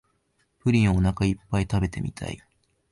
プリンをおなかいっぱい食べてみたい